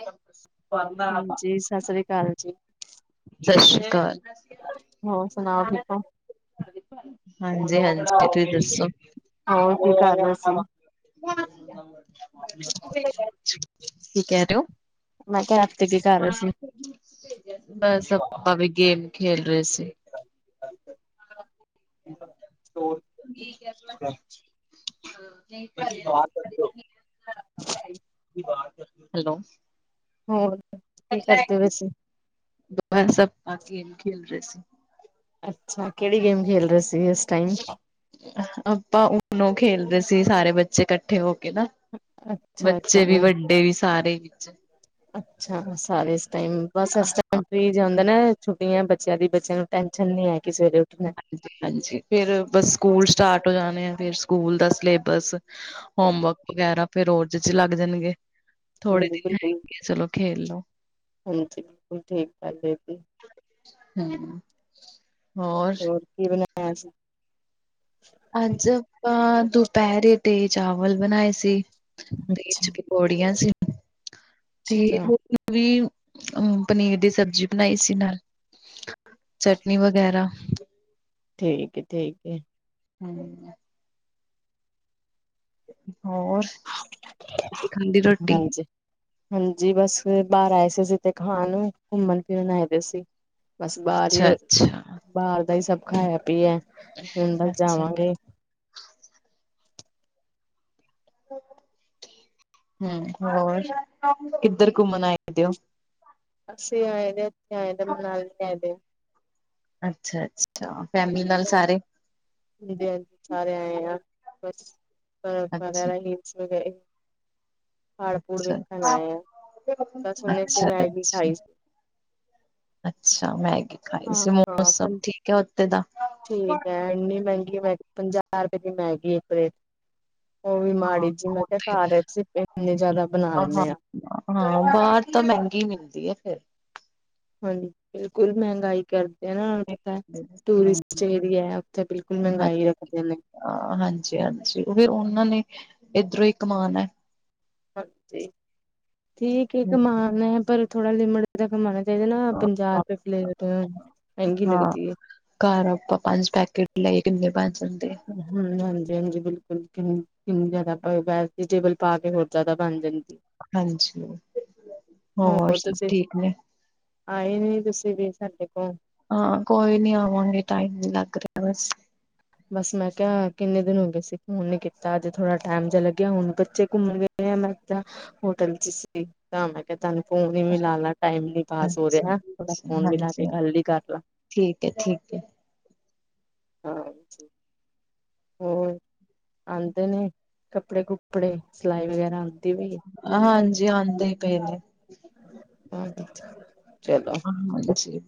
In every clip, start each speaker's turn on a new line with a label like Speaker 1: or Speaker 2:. Speaker 1: ਸਤਿ
Speaker 2: ਹਾਂਜੀ ਸਤਿ ਸ੍ਰੀ ਅਕਾਲ ਜੀ
Speaker 1: ਸ਼੍ਰੀ ਅਕਾਲ।
Speaker 2: ਹੋਰ ਸੁਣਾਓ, ਠੀਕ ਓ।
Speaker 1: ਹਾਂਜੀ, ਹਾਂਜੀ ਤੁਸੀਂ ਦੱਸੋ?
Speaker 2: ਹੋਰ ਕੀ ਕਰ ਰਹੇ ਸੀ
Speaker 1: [unintelligible] ਕਿ ਕੇਹ ਰਹੇ ਹੋ?
Speaker 2: ਮੈਂ ਕਿਹਾ, [unintelligible] ਅੱਜ ਕਿੱਥੇ ਸੀ ਘਰ
Speaker 1: ਬਸ, ਆਪਾ ਵੀ ਗੇਮ ਖੇਲ ਰਹੇ ਸੀ।
Speaker 2: [inaudible] [unintelligible]
Speaker 1: [inaudible] [unintelligible] [unintelligible]
Speaker 2: ਹੋਰ ਕੀ ਕਰਦੇ ਪਏ ਸੀ
Speaker 1: [unintelligible] ਬਸ ਆਪਾ, ਗੇਮ ਖੇਲ ਰਹੇ ਸੀ।
Speaker 2: ਅੱਛਾ, ਕਿਹੜੀ ਗੇਮ ਖੇਲ ਰਹੇ ਸੀ ਇਸ ਟਾਈਮ?
Speaker 1: ਆਪਾਂ ਉਨੋ ਖੇਲਦੇ ਸੀ, ਸਾਰੇ ਬੱਚੇ ਇਕੱਠੇ ਹੋ ਕੇ ਨਾ।
Speaker 2: ਅੱਛਾ ਅੱਛਾ
Speaker 1: ਬੱਚੇ ਵੀ,
Speaker 2: ਊਂ
Speaker 1: ਵੱਡੇ ਵੀ, ਸਾਰੇ।
Speaker 2: ਅੱਛਾ ਸਾਰੇ ਇਸ ਟਾਈਮ ਬਸ
Speaker 1: ਹਾਂ
Speaker 2: ਇਸ ਟਾਈਮ
Speaker 1: ਹਾਂਜੀ
Speaker 2: ਕੀ ਜਾਂਦਾ ਨਾ ਛੁੱਟੀਆਂ ਬੱਚਿਆਂ ਦੀ ਬੱਚਿਆਂ ਨੂੰ ਟੈਨਸ਼ਨ ਨੀ ਹੈ ਕਿ ਸਵੇਰੇ ਉੱਠਣਾ
Speaker 1: ਹਾਂਜੀ ਫਿਰ ਬਸ ਸਕੂਲ ਸਟਾਰਟ ਹੋ ਜਾਣੇ ਆ ਫਿਰ ਸਕੂਲ ਦਾ ਸਿਲੇਬਸ ਹੋਮਵਰਕ ਵਗੈਰਾ ਫੇਰ ਰਰਜ ਚ ਲੱਗ ਜਾਣਗੇ ਥੋੜੇ
Speaker 2: ਹਾਂਜੀ
Speaker 1: ਦਿਨ
Speaker 2: ਬਿਲਕੁਲ
Speaker 1: ਹੈਗੇ ਚਲੋ ਖੇਲ ਲੋ
Speaker 2: ਹਾਂਜੀ ਬਿਲਕੁਲ ਠੀਕ ਗੱਲ ਹੈ ਜੀ
Speaker 1: ਹਮ
Speaker 2: ਹੋਰ ਕੀ ਬਣਾਇਆ ਸੀ
Speaker 1: ਅੱਜ ਆਪਾਂ ਦੁਪਹਿਰੇ ਤੇ ਚਾਵਲ ਬਣਾਏ ਸੀ
Speaker 2: ਅੱਛਾ
Speaker 1: ਤੇ ਬੋੜੀਆਂ ਸੀ ਤੇ
Speaker 2: ਅੱਛਾ
Speaker 1: ਹੋਰ ਵੀ ਅਮ ਪਨੀਰ ਦੀ ਸਬਜ਼ੀ ਬਣਾਈ ਸੀ ਨਾਲ ਚਟਨੀ ਵਗੈਰਾ
Speaker 2: ਠੀਕ ਏ ਠੀਕ ਏ।
Speaker 1: ਹਮ ਹੋਰ। ਤੁਸੀਂ ਖਾਂਦੀ ਰੋਟੀ
Speaker 2: ਹਾਂਜੀ ਹਾਂਜੀ ਬਸ ਬਾਹਰ ਆਏ ਸੀ ਜ ਤੇ ਖਾਣ ਘੁੰਮਣ ਫਿਰਨ ਆਏ ਦੇ ਸੀ। ਬਸ ਬਾਹਰ ਹੀ
Speaker 1: ਅੱਛਾ ਅੱਛਾ
Speaker 2: ਬਾਹਰ ਦਾ ਹੀ ਸਭ ਖਾਇਆ ਪੀਆ ਹੁਣ ਬਸ
Speaker 1: ਅੱਛਾ
Speaker 2: ਜਾਵਾਂਗੇ।
Speaker 1: ਹਮ ਹੋਰ ਕਿੱਧਰ ਘੁੰਮਣ ਆਏ ਦਿ ਹੋ?
Speaker 2: ਅਸੀਂ ਆਏ ਦੇ ਇੱਥੇ ਆਏ ਦੇ ਮਨਾਲੀ ਆਏ ਹਾਂ।
Speaker 1: ਅੱਛਾ ਅੱਛਾ ਫੈਮਿਲੀ ਨਾਲ ਸਾਰੇ
Speaker 2: ਹਾਂਜੀ ਹਾਂਜੀ ਸਾਰੇ ਆਏ ਹ ਬਸ ਵਗੈਰਾ ਹੀ [unintelligible]
Speaker 1: ਅਛਾ-
Speaker 2: ਆਏ ਆ ਬਸ
Speaker 1: ਅੱਛਾ-
Speaker 2: ਹੁਣੇ ਅਸੀਂ
Speaker 1: ਅੱਛਾ
Speaker 2: ਮੈਗੀ ਖਾਈ ਸੀ
Speaker 1: ਅੱਛਾ ਮੈਗੀ ਖਾਈ
Speaker 2: ਹਾਂ
Speaker 1: ਸੀ ਮੌਸਮ
Speaker 2: ਹਾਂ
Speaker 1: ਠੀਕ ਹੈ ਉੱਥੇ ਦਾ
Speaker 2: ਠੀਕ ਹੈ ਇੰਨੀ ਮਹਿੰਗੀ ਮੈ ਪੰਜਾਹ ਰੁਪਏ ਦੀ ਮੈਗੀ ਇੱਕ ਪਲੇਟ ਉਹ ਵੀ ਮਾੜੀ ਜੀ ਮੈਂ
Speaker 1: ਹਾਂ
Speaker 2: ਕਿਹਾ ਘਰ ਸੀਂ ਇੰਨੇ ਜ਼ਿਆਦਾ ਬਣਾ ਲੈਂਦੇ ਆ
Speaker 1: ਹਾਂ ਬਾਹਰ ਤਾਂ ਮਹਿੰਗੀ ਮਿਲਦੀ ਹੈ ਫਿਰ
Speaker 2: ਹਾਂਜੀ ਬਿਲਕੁਲ ਮਹਿੰਗਾਈ ਕਰਦੇ ਨਾ ਉਹ ਨੂੰ ਪਤਾ ਟੂਰਿਸਟ ਏਰੀਆ ਉੱਥੇ ਬਿਲਕੁਲ ਮਹਿੰਗਾਈ ਰੱਖਦੇ ਨੇ
Speaker 1: ਹ ਹਾਂਜੀ- ਹਾਂਜੀ ਓਹੋ ਫਿਰ ਉਹਨਾਂ ਨੇ ਏਧਰੋਂ ਹੀ ਕਮਾਣਾ ਹੈ।
Speaker 2: ਹਾਂਜੀ ਠੀਕ ਹੈ
Speaker 1: ਹੂੰ।
Speaker 2: ਕਮਾਨਾ ਹੈ ਪਰ ਥੋੜਾ ਲਿਮਟ ਇਹਦਾ ਕਮਾਣਾ ਚਾਹੀਦਾ ਨਾ ਇਹਦੇ ਨਾ ਪੰਜਾਹ ਰੁਪਏ ਪਲੇਟ ਮਹਿੰਗੀ
Speaker 1: ਹਾਂ
Speaker 2: ਲੱਗਦੀ ਹੈ।
Speaker 1: ਘਰ ਆਪਾਂ ਪੰਜ ਪੈਕੇਟ ਲਏ ਕਿੰਨੇ ਬਣ ਜਾਂਦੇ ਆਂ
Speaker 2: ਹਾਂ ਹਾਂਜੀ- ਹਾਂਜੀ ਬਿਲਕੁਲ ਕਿੰ ਕਿੰਨੀ ਜ਼ਿਆਦਾ ਵੈਜੀੇਟੇਬਲ ਪਾ ਕੇ ਹੋਰ ਜਿਆਦਾ ਬਣ ਜਾਂਦੀ
Speaker 1: ਹਾਂਜੀ ਹੋਰ ਸਭ ਠੀਕ ਨੇ
Speaker 2: ਆਏ ਨੀ ਤੁਸੀਂ ਵੀ ਸਾਡੇ ਕੋਲ।
Speaker 1: ਹਾਂ ਕੋਈ ਨੀ ਆਵਾਂਗੇ ਟਾਈਮ ਨੀ ਲੱਗ ਰਿਹਾ ਬ
Speaker 2: ਬਸ ਮੈਂ ਕਿਹਾ ਕਿੰਨੇ ਦਿਨ ਹੋ ਗਏ ਸੀ ਫੋਨ ਨੇ ਕੀਤਾ ਅੱ ਜ ਥੋੜਾ ਟਾਈਮ ਜਿ ਲੱਗਿਆ ਹੁਣ ਬੱਚੇ ਘੁੰਮਣ ਗ ਮ ਮੈਂ ਹੋਟਲ ਚ ਸੀ। ਤਾਂ ਮੈਂ ਕਿਹਾ ਤਹਾਨੂੰ ਫੋਨ ਈ ਮਿਲਾ ਲਾ ਟਾਈਮ ਨੀ ਪਾਸ ਹੋ
Speaker 1: ਅੱਛਾ
Speaker 2: ਰਿਆ ਓਹਦਾ
Speaker 1: ਅੱਛਾ
Speaker 2: ਫੋਨ ਮਿਲਾ ਕੇ
Speaker 1: ਹਾਂਜੀ
Speaker 2: ਗੱਲ ਈ ਕਰ ਲਾਂ।
Speaker 1: ਠੀਕ ਹੈ ਠੀਕ ਏ।
Speaker 2: ਹਾਂ ਹੋਰ ਆਉਂਦੇ ਨੇ ਕੱਪੜੇ ਕੁਪੜੇ ਸਿਲਾਈ ਵਗੈਰਾ ਆਉਂ।
Speaker 1: ਹਾਂਜੀ ਆਉਂਦੇ ਹੀ ਪਏ ਨੇ।
Speaker 2: ਹਾਂ ਚਲੋ।
Speaker 1: ਹਾਂਜੀ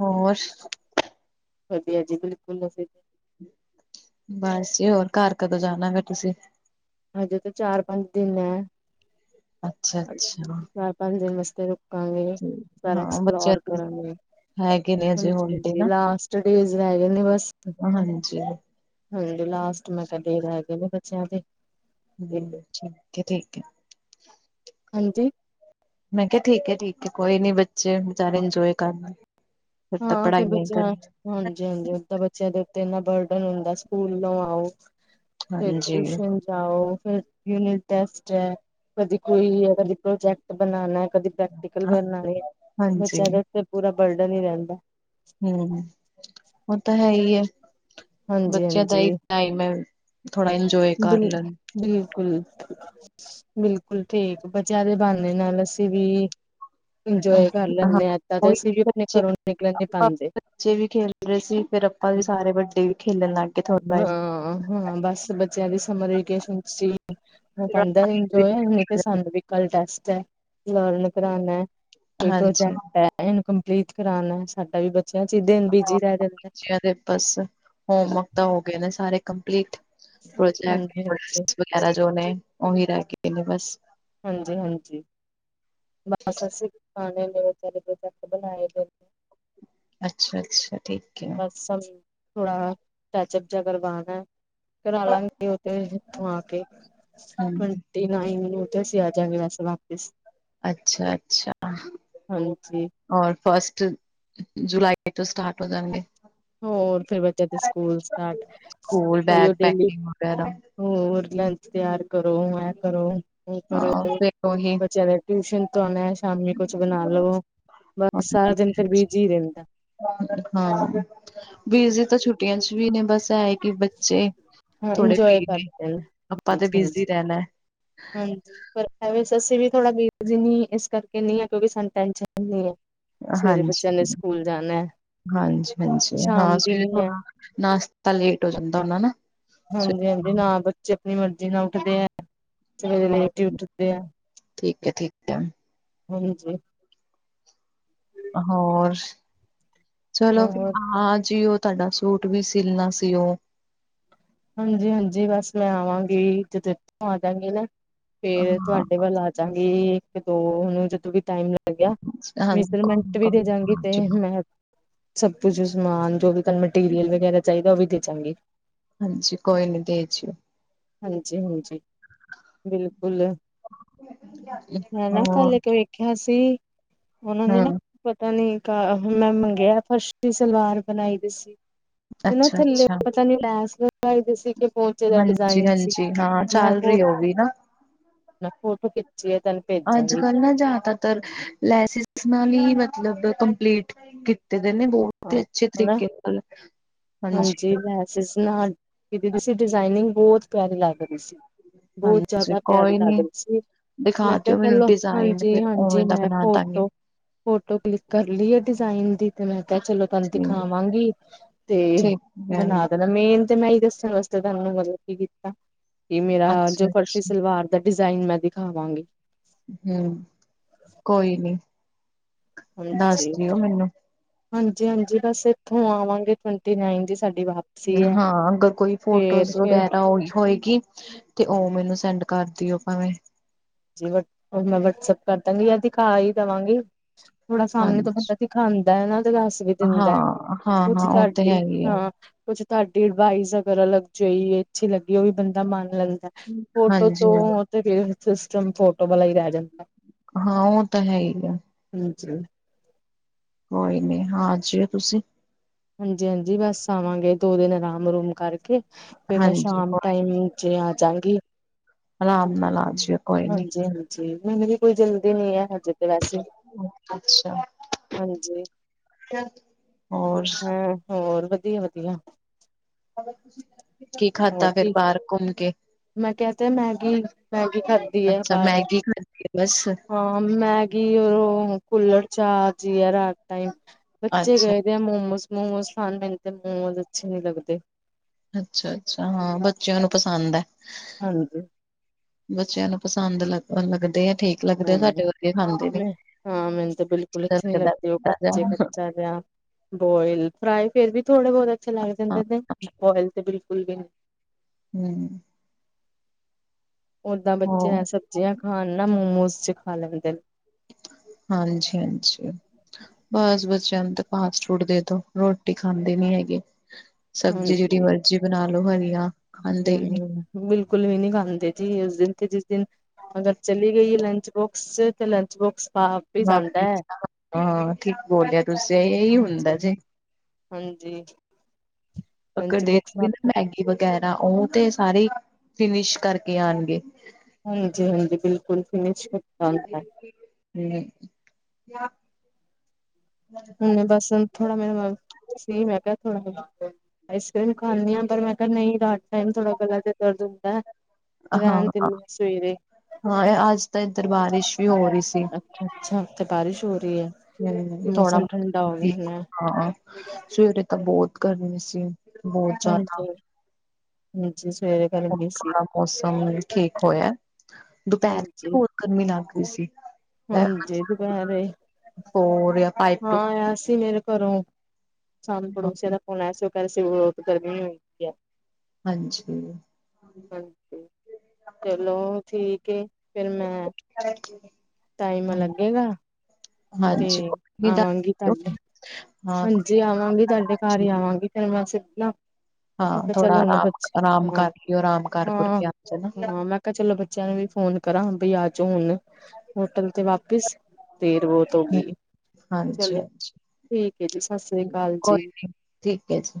Speaker 1: ਹੋਰ।
Speaker 2: ਵਦੀਆ ਅਜੀ ਬਿਲਕੁਲ ਸੀ।
Speaker 1: ਬਸ ਜ ਹੋਰ ਘਰ ਕਦੋਂ ਜਾਣਾ ਗ ਤੁਸੀਂ?
Speaker 2: ਹਜੇ ਤਾਂ ਚਾਰ ਪੰਜ ਦਿਨ ਹੈ।
Speaker 1: ਅੱਛਾ ਅੱਛਾ।
Speaker 2: ਚਾਰ ਪੰਜ ਦਿਨ ਵਾਸਤੇ ਰੁਕਾਂਗੇ, ਸਾਰਾ
Speaker 1: ਹਾਂ ਬੱਚੇ
Speaker 2: ਐਕਸਪਲੋਰ ਕਰਾਂਗੇ।
Speaker 1: ਹੈਗੇ ਨੇ ਅਜੇ ਹੋਲੀਡੇ
Speaker 2: ਹਾਂਜੀ-ਹਾਂਜੀ
Speaker 1: ਨਾ
Speaker 2: ਲਾਸਟ ਡੇਜ਼ ਲੈ ਜਾਂਨੇ ਬਸ।
Speaker 1: ਹਾਂਜੀ
Speaker 2: ਹਾਂਜੀ ਲਾਸਟ ਮੈਂ ਕਢੇ ਰੇਗੈ ਨੇ ਬੱਚਿਆਂ ਦੇ।
Speaker 1: ਹਮ ਠੀਕ ਐ, ਠੀਕ ਐ।
Speaker 2: ਹਾਂਜੀ?
Speaker 1: ਮੈਂ ਕਿਆ ਠੀਕ ਏ, ਠੀਕ ਏ ਕੋਈ ਨੀ ਬੱਚੇ ਵਿਚਾਰੇ ਇੰਜੋਏ ਕਰਨ ਲ ਫਿਰ ਤਾਂ ਪੜ੍ਹਾਈਆਂ ਕਰਨ
Speaker 2: ਹਾਂਜੀ-ਹਾਂਜੀ ਓਦਾਂ ਬੱਚਿਆਂ ਦੇ ਉੱਤੇ ਇੰਨਾ ਬਰਡਨ ਹੁੰਦਾ ਸਕੂਲ ਨੂੰ ਆਓ। ਫਿਰ
Speaker 1: ਹਾਂਜੀ
Speaker 2: ਟਿਊਸ਼ਨ ਜਾਓ ਫਿਰ, ਯੂਨਿਟ ਟੈਸਟ 'ਚ ਕਦੀ ਕੋਈ ਏ ਕਦੀ ਪ੍ਰੋਜੈਕਟ ਬਨਾਨਾ। ਕਦੀ ਪ੍ਰੈਕਟੀਕਲ
Speaker 1: ਹਾਂ,
Speaker 2: ਬਣਨਾ ਏ
Speaker 1: ਹਾਂਜੀ
Speaker 2: ਵਿਚਾਰੇ ਤੇ ਪੂਰਾ ਬਰਡਨ ਹੀ ਰਹਿੰਦਾ।
Speaker 1: ਹਮ। ਓ ਤਾਂ ਹੈ ਈ ਐ,
Speaker 2: ਹਾਂਜੀ
Speaker 1: ਬੱਚਿਆਂ ਦਾ
Speaker 2: ਹਾਂਜੀ
Speaker 1: ਈ ਟਾਈਮੈਂ, ਥੋੜਾ ਇੰਜੋਏ ਕਰ
Speaker 2: ਦਲ।
Speaker 1: ਲੈਣ
Speaker 2: ਬਿਲਕੁਲ, ਬਿਲਕੁਲ ਠੀਕ ਬੱਚਿਆ ਦੇ ਬੵਾਨੇ ਨਾਲ ਅਸੀਂ ਵੀ ਇੰਜੋਏ ਕਰ ਲੈਂਦੇ ਹਾਂ, ਏਦਾਂ ਤੇ
Speaker 1: ਉਹੀ
Speaker 2: ਅਸੀਂ ਵੀ ਆਪਣੇ
Speaker 1: ਬੱਚੇ
Speaker 2: ਘਰੋਂ ਨਿਕਲ ਨਹੀ ਪਾਉਂਦੇ
Speaker 1: ਬੱਚੇ ਵੀ ਖੇਲ ਰਹੇ ਸੀ, ਫੇਰ ਆਪਾਂ ਵੀ ਸਾਰੇ ਵੱਡੇ ਖੇਲਣ ਲੱਗ ਗਏ ਥੋੜਾ ਟਾਈਮ
Speaker 2: ਹਾਂ, ਹਾਂ ਬਸ ਬੱਚਿਆਂ ਦੀ ਸਮਰ ਵੇਕੇਸ਼ਨ ਸੀ, ਉਹ ਪਉਂਦਾ ਇੰਜੋਏ ਤੇ ਸ ਵੀ ਕਲ ਟੈਸਟ ਹੈ, ਲਰਨ ਕਰਾਉਣਾ, ਕੋਈ
Speaker 1: ਹਾਂਜੀ
Speaker 2: ਪ੍ਰੋਜੈਕਟ ਹੈ ਇਹਨੂੰ ਕੰਪਲੀਟ ਕਰਾਉਣਾ, ਸਾਡਾ ਵੀ ਬੱਚਿਆਂ 'ਚ ਦਿਨ ਬਿਜੀ ਰਹਿ ਜਾਂਦਾ
Speaker 1: ਇਹਨਾ ਦੇ ਪੇਪਰ ਸੀ, ਬਸ ਹੋਮਵਰਕ ਤਾਂ ਹੋ ਗਏ ਨੇ ਸਾਰੇ ਕੰਪਲੀਟ, ਪ੍ਰੋਜੈਕਟ
Speaker 2: ਹਾਂਜੀ-ਹਾਂਜੀ,
Speaker 1: ਪੈਲਾਂ ਜੋ ਨੇ, ਉਹੀ ਰਹਿ ਕੇ ਨੇ ਬਸ।
Speaker 2: ਹਾਂਜੀ-ਹਾਂਜੀ, ਬਸ ਅਸੀ ਖਾਣੇ ਦੇ ਪ੍ਰੋਜੈਕਟ ਬਣਾਏ ਗ।
Speaker 1: ਅੱਛਾ-ਅੱਛਾ ਠੀਕ ਏ।
Speaker 2: ਬਸ ਸਾਨ, ਥੋੜਾ ਪ‌ੈਚਪ ਜਿਆ ਕਰਵਾਨਾ ਏ, ਕਰਾਲਾਂਗੇ ਉਥੈ ਉੱਥੋਂ ਆ ਕੇ
Speaker 1: ਹਾਂਜੀ
Speaker 2: ਟਵੰਟੀ ਨਾਈਨ ਨੂ ਤੇ ਅਸੀਂ ਆਜਗੇ ਵੈਸੇ ਵਾਪਿਸ।
Speaker 1: ਅੱਛਾ-ਅੱਛਾ।
Speaker 2: ਹਾਂਜੀ
Speaker 1: ਔਰ ਫਸਟ, ਜੁਲਾਈ ਤੋਂ ਸਟਾਟ ਹੋ ਜਾਣਗੇ।
Speaker 2: ਹੋਰ ਫਿਰ ਬੱਚਿਆਂ ਦੇ ਸਕੂਲ ਸਟਾਟ,
Speaker 1: ਸਕੂਲ ਬੈਗ
Speaker 2: ਹੋਈਓ ਡੇਲੀ।
Speaker 1: ਪੈਕਿੰਗ ਵਗੈਰਾ
Speaker 2: ਹੋਰ ਲੰਚ ਤਿਆਰ ਕਰੋ ਐ ਕਰੋ।
Speaker 1: ਹਾਂ ਫ
Speaker 2: ਬ‌ੱਚਿਆਂ ਨੇ ਟਵੀਸ਼ਨ ਤੋਂ ਆਉਨਾ ਸ਼ਾਮੀ ਕੁਛ ਬਣਾ ਲਵੋ। ਬਸ ਸਾਰਾ ਦਿਨ ਫੇਰ ਬੀਜੀ ਰੈਦਾਂ।
Speaker 1: ਹਾਂ, ਬਿਜੀ ਤਾਂ ਛੁੱਟੀਆਂ 'ਚ ਵੀ ਨੇ ਬਸ ਐ ਕਿ ਬੱਚੇ
Speaker 2: ਹਾਂ
Speaker 1: ਥੋੜੇ
Speaker 2: ਇੰਜੋਏ
Speaker 1: ਫ੍ਰੀ ਨੇ
Speaker 2: ਕਰਦੇ
Speaker 1: ਆਪਾਂ
Speaker 2: ਹਾਂਜੀ
Speaker 1: ਤੇ
Speaker 2: ਹਾਂਜੀ
Speaker 1: ਬੀਜ਼ੀ ਰਹਿਣਾ ਏ।
Speaker 2: ਹਾਂਜੀ, ਪਰ ਅ ਸਸੀਂ ਵੀ ਥੋੜਾ ਬਿਜੀ ਹੁਨੇ ਇਸ ਕਰਕੇ ਨਹੀਂ ਆ ਕਿਉਂਕਿ ਸਾਨੂੰ ਟੈਸ਼ਨ
Speaker 1: ਹੈ।
Speaker 2: ਸਵੇਰੇ ਬੱਚਿਆਂ ਨੇ
Speaker 1: ਹਾਂਜੀ।
Speaker 2: ਸਕੂਲ ਜਾਨਾ ਐ।
Speaker 1: ਹਾਂਜੀ-ਹਾਂਜੀ ਹਾਂ ਸਵੇਰੇ
Speaker 2: ਹੈ
Speaker 1: ਥੋੜਾ, ਨਾਸ਼ਤਾ ਲੇਟ ਹੋ ਜਾਂਦਾ ਹੁਨਾ ਨਾ। ਸਵੇ-
Speaker 2: ਹਾਂਜੀ-ਹਾਂਜੀ ਨਾ ਬੱਚੇ ਆਪਣੀ ਮਰਜੀ ਨਾਲ ਉੱਠਦੇ ਐ, ਸਵੇਰੇ ਲੇਟ ਈ ਉੱਠਦੇ ਐ।
Speaker 1: ਠੀਕ ਐ, ਠੀਕ ਐ।
Speaker 2: ਹਾਂਜੀ।
Speaker 1: ਹੋਰਸ, ਚਲੋ ਫੇ
Speaker 2: ਹੋਰ
Speaker 1: ਆ ਜਿਓ। ਤੁਹਾਡਾ ਸੂਟ ਵੀ ਸਿਲਣਾ ਸੀ, ਉਹ
Speaker 2: ਹਾਂਜੀ -ਹਾਂਜੀ ਬਸ ਮੈਂ ਆਵਾਂਗੀ, ਜਦੋਂ ਇਥੋਂ ਆ ਜਾਂਵਾਂਗੀ ਨਾ, ਫੇਰ
Speaker 1: ਹਾਂ
Speaker 2: ਤੁਹਾਡੇ ਵੱਲ ਆ ਕਰਾਂਗੇ, ਇੱਕ ਦੋ ਹੁਣ ਜਦੋਂ ਵੀ ਟਾਈਮ ਭਈਆ,
Speaker 1: ਹਾਂਜੀ
Speaker 2: ਮੇਜਰਮੈਂਟ ਵੀ ਦੇਜਾਂਗੀ ਤੇ
Speaker 1: ਕੋਈ
Speaker 2: ਮੈਂ ਸਭ ਕੁਝ ਸਮਾਨ, ਜੋ ਵੀ ਤੁਹਾਨੂੰ ਮਟੀਰੀਅਲ ਵਗੈਰਾ ਚਾਹੀਦਾ, ਉਹ ਵੀ ਦੇ ਜਾਵਾਂਗੇ
Speaker 1: ਹਾਂਜੀ, ਕੋਈ ਨੀ ਦੇ ਜਿਓ
Speaker 2: ਹਾਂਜੀ -ਹਾਂਜੀ, ਬਿਲਕੁਲ, ਹੈ ਨਾ
Speaker 1: ਹੋਰ
Speaker 2: ਕੱਲ ਕਿ ਖ ਸੀ, ਉਹਨਾਂ ਨੇ ਨਾ
Speaker 1: ਹੂੰ
Speaker 2: ਪਤਾ ਨੀ ਕ ਮੈਂ ਮੰਗਿਆ, ਫਸਟ ਈ ਸਲਵਾਰ ਬਣਾਈ ਦੀ ਸੀ। ਤੇ ਨਾ
Speaker 1: ਅੱਛਾ
Speaker 2: ਥੱਲੇ
Speaker 1: ਅੱਛਾ
Speaker 2: ਪਤਾ ਨੀ ਲੈਸ ਲਗਾਈ ਤੁਸੀਂ ਕੇ ਪਹੁੰਚੇ ਦਾ
Speaker 1: ਜੀ
Speaker 2: ਡਿਜ਼ਾਇਨ ਸੀ
Speaker 1: ਹਾਂਜੀ ਹਾਂ, ਚੱਲ ਰਹੀ ਏ ਉਹ ਵੀ ਨਾ
Speaker 2: ਉਹ ਤੇ ਪਿੱਛੇ ਐ ਚਲ।
Speaker 1: ਅੱਜ-ਕੱਲ ਨਾ ਜਾਦਾ ਤਰ ਲੈਸਿਸ ਨਾਲ ‌ਈ, ਮਤਲਬ ਕੰਪਲੀਟ ਕੀਤੇ ਦੇ ਨੇ ਦੋ ਤੇ
Speaker 2: ਹਾਂ
Speaker 1: ਅੱਛੇ ਤਰੀਕੇ ਨਾਲ, ਹਾਂਜੀ।
Speaker 2: ਸਿਸ ਨਾਲ ਦੀ, ਸੀ ਡਿਜ਼ਾਇਨਿੰਗ ਬਹੁਤ ਪਿਆਰੀ ਲੱਗ ਰੀ ਸੀ। ਬਹੁਤ
Speaker 1: ਹਾਂਜੀ
Speaker 2: ਜ਼‌ਾਦਾ ਪਿਆਰੀ
Speaker 1: ਕੋਈ
Speaker 2: ਲੱਗ
Speaker 1: ਨੀ
Speaker 2: ਰਹੀ ਸੀ। ਮੈਂ
Speaker 1: ਦਿਖਾ
Speaker 2: ਕਿਆ
Speaker 1: ਦਿਓ ਮੈਨੂੰ
Speaker 2: ਚਲੋ,
Speaker 1: ਡਿਜ਼ਾਇਨ
Speaker 2: ਹਾਂਜੀ
Speaker 1: ਫਿਰ
Speaker 2: -ਹਾਂਜੀ
Speaker 1: ਉਵੇਂ ਦਾ
Speaker 2: ਮੈਂ
Speaker 1: ਬਣਾ ਦਾਂਗੇ
Speaker 2: ਫੋਟੋ ਫੋਟੋ ਕਲਿੱਕ ਕਰ ਲਈ ਏ ਡਿਜ਼ਾਇਨ ਦੀ ਤੇ ਮੈਂ ਕਿਹਾ ਚਲੋ ਕਲ੍ਹ
Speaker 1: ਠੀਕ
Speaker 2: ਦਿਖਾਵਾਂਗੀ, ਤੇ
Speaker 1: ਠੀਕ ਹੈ
Speaker 2: ਬਣਾ ਦੇਣਾ ਮੇਨ ਤੇ ਮੈਂ ਏ ਈ ਦੱਸਣ ਵਾਸਤੇ ਤਾਨੂੰ ਮਤਲਬ ਕੀ ਕੀਤਾ, ਕਿ ਮੇਰਾ ਜੋ
Speaker 1: ਅੱਛਾ
Speaker 2: ਫਰਸ਼ੀ
Speaker 1: ਅੱਛਾ
Speaker 2: ਸਲਵਾਰ ਤਾਂ ਡਿਜ਼ਾਇਨ ਮੈਂ ਦਿਖਾਵਾਂਗੀ।
Speaker 1: ਹੂ, ਕੋਈ ਨੀ।
Speaker 2: ਹਾਂਜੀ
Speaker 1: ਦੱਸ
Speaker 2: [unintelligible]
Speaker 1: ਦਿਓ ਮੈਨੂੰ
Speaker 2: ਹਾਂਜੀ-ਹਾਂਜੀ ਬਸ ਇੱਥੋਂ ਆਵਾਂਗੇ ਟਵੰਟੀ ਨਾਈਨ ਦੀ ਸਾਡੀ ਵਾਪ
Speaker 1: ਹਾਂ ਅਗਰ ਕੋਈ ਫੋਟੋਜ਼
Speaker 2: ਫੇਰ
Speaker 1: ਵਗੈਰਾ ਹੋਈ ਹੋਏਗੀ। ਤੇ ਓ ਮੈਨੂੰ ਸੈਂਡ ਕਰਦੀਓ ਭਾਵੇਂ।
Speaker 2: ਜਿਵ, ਉਹ ਮੈਂ ਵਟਸਐਪ ਕਰ ਦਾਂਗੀ ਜਾਂ ਦਿਖਾ ਈ ਦਵਾਂਗੀ, ਥੋੜਾ ਸਾਮਣੇ ਤੋਂ
Speaker 1: ਹਾਂਜੀ
Speaker 2: ਬੰਦਾ ਖਾਂਦਾ ਏ ਨਾਂ ਤੇ ਦਸ ਵੀ
Speaker 1: ਹਾਂ
Speaker 2: ਦਿੰਦਾ,
Speaker 1: ਹਾਂ
Speaker 2: ਕੁਛ
Speaker 1: ਹਾਂ ਉਹ ਤੇ ਹੈ
Speaker 2: ਸਾਡੀ,
Speaker 1: ਹੀ ਆ
Speaker 2: ਹਾਂ ਕੁਛ ਤੁਹਾਡੀ ਅਡਵਾਈਸ ਅਗਰ ਅਲੱਗ ਜਾਈ ਅੱਛੀ ਲੱਗੀ ਉਹ ਵੀ ਬੰਦਾ ਮੰਨ ਲੈਂਦਾ ਫੋਟੋ
Speaker 1: ਹਾਂਜੀ
Speaker 2: ਤੋਂ ਤੇ ਫੇਰ ਸਿਸਟਮ ਫੋਟੋ ਬਲਾ ਈ ਰਹਿ ਜਾਂਦਾ।
Speaker 1: ਹਾਂ, ਉਹ ਤਾਂ ਹੈ ਹੀ ਆ
Speaker 2: ਹਾਂਜੀ
Speaker 1: ਕੋਈ ਨਹੀਂ, ਹਾਂ ਜੀ ਤੁਸੀਂ
Speaker 2: ਹਾਂਜੀ-ਹਾਂਜੀ ਬੱਸ ਆਵਾਂਗੇ, ਦੋ ਦਿਨ ਆਰਾਮ-ਅਰੂਮ ਕਰਕੇ ਫਿਰ ਮੈਂ
Speaker 1: ਹਾਂਜੀ
Speaker 2: ਸ਼ਾਮ
Speaker 1: ਕੋਈ
Speaker 2: ਟਾਈਮ ਨੀਚੇ ਆਜਾਂਗੀ।
Speaker 1: ਅਰਾਮ ਨਾ
Speaker 2: ਹਾਂਜੀ-ਹਾਂਜੀ ਮੈਨੂੰ ਵੀ ਕੋਈ ਜਲਦੀ ਨੀ ਐ ਹਜੇ। ਤੇ ਵੈਸੇ, ਹਾਂਜੀ।
Speaker 1: ਆਂ, ਹੋਰ ਸ
Speaker 2: ਹਾਂ ਹੋਰ, ਵਧੀਆ-ਵਧੀਆ।
Speaker 1: ਕੀ
Speaker 2: ਹੋਰ
Speaker 1: ਖਾਧਾ ਫੇਰ,
Speaker 2: ਕੀ
Speaker 1: ਬਾਹਰ ਘੁੰਮ ਕੇ?
Speaker 2: ਮੈਂ ਕਿਆ ਤੇ ਮੈਗੀ-ਮੈਗੀ ਖਾ
Speaker 1: ਅੱਛਾ ਮੈਗੀ ਖ, ਬਸ।
Speaker 2: ਹਾਂ ਮੈਗੀ ਔਰ ਓ ਕੁਲੜ ਚਾਹ ਜੀ ਏ ਰਾਤ ਟਾਈਮ, ਬੱਚੇ
Speaker 1: ਅੱਛਾ
Speaker 2: ਗਏ। ਮੋਮੋਸ- ਮੋਮੋਸ ਖਾਣ ਮੈਨੂੰ ਤੇ ਮੋਮੋਜ਼ ਅੱਛੇ ਨੀ ਲੱਗਦੇ।
Speaker 1: ਅੱਛਾ ਅੱਛਾ ਹਾਂ ਬੱਚਿਆਂ ਨੂੰ ਪਸੰਦ ਐਂ।
Speaker 2: ਹਾਂਜੀ
Speaker 1: ਬੱਚਿਆਂ ਨੂੰ ਪਸੰਦ ਲਗਣ ਲੱਗਦੇ ਆ ਠੀਕ ਲੱਗਦੇ ਆ,
Speaker 2: ਹਮ
Speaker 1: ਸਾਡੇ ਵਰਗੇ ਖਾਂਦੇ ਨੇ
Speaker 2: ਮੈਂ ਹਾਂ ਮੈਨ ਤੇ ਬਿਲਕੁਲ ਅੱਛੇ ਨੀ ਲੱਗਦੇ ਉਹ ਕੱਚੇ ਕੱਚਾ ਜਿਹਾ। ਬੋਇਲ ਫਰਾਈ ਫੇਰ ਵੀ ਥੋੜੇ ਬਹੁਤ ਅੱਛੇ ਲੱਗ ਜਾਂਦੇ
Speaker 1: ਹੂੰ,
Speaker 2: ਨੇ ਬੋਇਲ ਤੇ ਬਿਲਕੁਲ ਵੀ ਨਹੀਂ।
Speaker 1: ਹਮ
Speaker 2: ਓਦਾਂ ਬੱਚੇ ਸਬਜ਼ੀਆਂ ਖਾਣ ਨਾ ਮੋਮੋਸ ਚ ਖਾ ਲੈਂਦੇ ਨੇ।
Speaker 1: ਹਾਂਜੀ ਹਾਂਜੀ ਬਸ ਬੱਚਿਆਂ ਨੂੰ ਤੇ ਫਾਸਟ ਫੂਡ ਦੇ ਦੋ ਰੋਟੀ ਖਾਂਦੇ ਨੀ ਹੈਗੇ। ਸਬਜ਼ੀ ਜਿਹੜੀ
Speaker 2: ਹਾਂਜੀ।
Speaker 1: ਮਰਜ਼ੀ ਬਣਾ ਲਓ ਹਰੀਆਂ ਖਾਂਦੇ ਹੀ ਨੀ।
Speaker 2: ਹੂੰ ਬਿਲਕੁਲ ਵੀ ਨਹੀਂ ਖਾਂਦੇ ਜੀ ਉਸ ਦਿਨ ਤੇ ਜਿਸ ਦਿਨ ਅਗਰ ਚਲੀ ਗਈ ਲੰਚ ਬੋਕਸ ਚ ਤੇ ਲੰਚ ਬੋਕਸ ਪਾ ਹੀ ਜਾਂਦਾ ਹੈ।
Speaker 1: ਹਾਂ ਠੀਕ ਬੋਲਿਆ ਤੁਸੀਂ। ਇਹੀੳ
Speaker 2: ਹਾਂਜੀ
Speaker 1: ਅਗਰ
Speaker 2: ਲੰਚ
Speaker 1: ਦੇ
Speaker 2: ਬੋਕਸ
Speaker 1: ਦਿੱਤੀ ਨਾ ਮੈਗੀ ਵਗੈਰਾ ਉਹ ਤੇ ਸਾਰੇ ਫਿਨਿਸ਼ ਕਰਕੇ ਆਣਗੇ।
Speaker 2: ਹਾਂਜੀ ਹਾਂਜੀ ਬਿਲਕੁਲ ਫਿਨਸ਼ ਹੁੰਦਾ।
Speaker 1: ਹਮ
Speaker 2: ਹੁਣ ਬਸ ਥੋੜਾ ਮੇਰਾ ਸੇਮ ਹੈਗਾ ਥੋੜਾ ਮੇ ਆਈਸ- ਕਰ੍ਰੀਮ ਖਾਂਨੀ ਹਾਂ ਪਰ ਮੈਂ ਕਿਹਾ ਨਹੀਂ ਰਾਤ ਟਾਈਮ ਥੋੜ੍ਹਾ ਗਲਾ ਤੇ ਦਰਦ ਹੁੰਦਾ। ਰਹਿਣ
Speaker 1: ਹਾਂ
Speaker 2: ਦਿੰਦੀ ਸਵੇਰੇ
Speaker 1: ਹਾਂ ਅੱਜ ਤੇ ਇੱਧਰ ਬਾਰਿਸ਼ ਵੀ ਹੋ ਰਹੀ ਸੀ
Speaker 2: ਅੱਛਾਤੇ ਬਾਰਿਸ਼ ਹੋ ਰਹੀ ਏ
Speaker 1: ਹ ਥੋੜਾ
Speaker 2: ਹਦਾ ਉਹਵੇ [unintelligible]
Speaker 1: ਹਾਂ ਸਵੇਰੇ ਤਾਂ ਬਹੁਤ ਗਰਮੀ ਸੀ ਬਹੁਤ ਜ਼ਿਆਦਾ
Speaker 2: ਹਾਂਜੀ ਹਾਂਜੀ ਸਵੇਰੇ
Speaker 1: ਹੁਣ
Speaker 2: ਗਰਮੀ ਸੀ
Speaker 1: ਥੋੜਾ ਮੌਸਮ ਠੀਕ ਹੋਇਆ, ਦੁਪਹਿਰ
Speaker 2: ਹਾਂਜੀ
Speaker 1: ਹੋਰ ਗਰਮੀ ਲੱਗ ਰ‌ਈ ਸੀ।
Speaker 2: ਹਾਂਜੀ ਦੁਪਹਿਰੇ
Speaker 1: ਹੋਰ
Speaker 2: ਹਾਂ ਆਇਆ ਸੀ ਮੇਰੇ ਘਰੋਂ ਸਾਨ ਪੜੋਸਿਆਂ ਦਾ ਫੋਣ ਆਇਆ ਸੀ ਓਹ ਕਹਿ ਰੇ ਸੀ ਬੋਤ ਗਰਮੀ ਹੋਈ ਦੀ ਹੈ।
Speaker 1: ਹਾਂਜੀ
Speaker 2: ਚਲੋ ਠੀਕ ਏ ਫੇਰ ਮੈਂ
Speaker 1: ਕਰ [unintelligible]
Speaker 2: ਟਾਈਮ ਲੱਗੇਗਾ? ਤੇ
Speaker 1: ਹਾਂਜੀ ਕੋਈ
Speaker 2: ਆਵਾਂਗੀ
Speaker 1: ਦੱਸ
Speaker 2: ਤੁਹਾਡੇ ਹਾਂਜੀ ਆਵਾਂਗੀ ਤੁਹਾਡੇ ਘਰ ਹੀ ਆਵਾਂਗੀ। ਫੇਰ ਮੈਂ ਸਿੱਧਾਂ
Speaker 1: ਹਾਂ ਥੋੜਾ ਆਰਾਮ ਆਰਾਮ ਕਰਲਿੳ ਆਰਾਮ ਕਰ ਕੁਰ
Speaker 2: ਹਾਂ
Speaker 1: ਕੇ ਆ ਜਾਨਾ
Speaker 2: ਹਾਂ ਮੈਂ ਚਲੋ ਬੱਚਿਆਂ ਨੂੰ ਵੀ ਫੋਨ ਕਰਾਂ ਬਈ ਆ ਜੋ ਹੁਣ ਹੋਟਲ ਤੇ ਵਾਪਿਸ। ਦੇਰ ਬਹੁਤ ਹੋ ਗੀ ਏ,
Speaker 1: ਹਾਂਜੀ
Speaker 2: ਚਲੋ
Speaker 1: ਹਾਂਜੀ
Speaker 2: ਠੀਕ ਏ ਜੀ ਸਤਿ ਸ੍ਰੀ ਅਕਾਲ ਜੀ।
Speaker 1: ਕੋਈ ਨੀ ਠੀਕ ਹੈ ਜੀ।